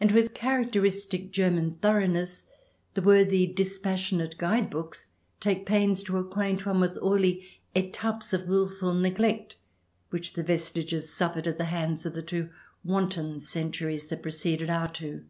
And with characteristic German thoroughness, the worthy dispassionate guide books take pains to acquaint one with all the e'iapes of wilful neglect which the vestiges suffered at the hands of the two wanton centuries that preceded our two.